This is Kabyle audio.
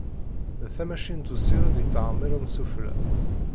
D tamacint usired yettεemmiren sufella.